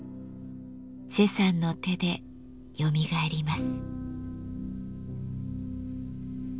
崔さんの手でよみがえります。